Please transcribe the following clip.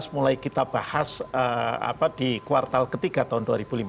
mulai kita bahas di kuartal ketiga tahun dua ribu lima belas